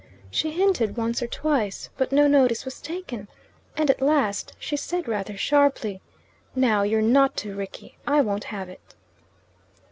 She hinted once or twice, but no notice was taken, and at last she said rather sharply, "Now, you're not to, Rickie. I won't have it."